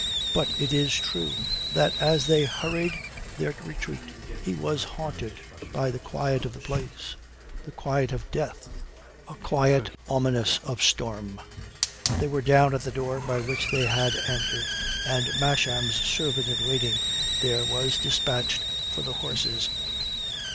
But it is true that as they hurried their retreat he was haunted by the quiet of the place the quiet of death, a quiet ominous of storm. They were down at the door by which they had entered, and Masham's servant in waiting there was dispatched for the horses.